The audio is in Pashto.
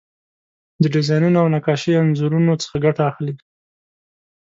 د ډیزاینونو او نقاشۍ انځورونو څخه ګټه اخلي.